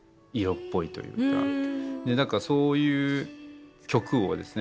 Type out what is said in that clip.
何かそういう曲をですね